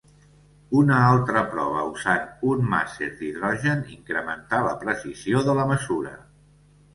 Una altra prova usant un màser d'hidrogen incrementà la precisió de la mesura.